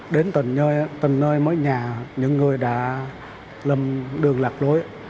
đến từ nơi mới nhà những người đã lầm đường lạc lối